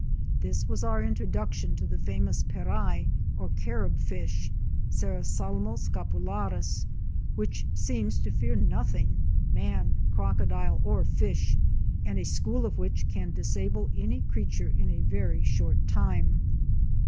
This was our introduction to the famous Perai or Carib Fish (Serrasalmo scapularis) which seems to fear nothing, man, crocodile or fish, and a school of which can disable any creature in a very short time.